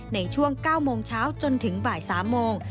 ในช่วง๙โมงเช้าจนถึงบ่าย๓โมง